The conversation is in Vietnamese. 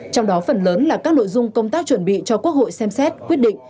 trong đó phần lớn là các nội dung công tác chuẩn bị cho quốc hội xem xét quyết định